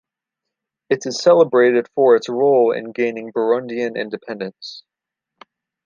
It is celebrated for its role in gaining Burundian independence.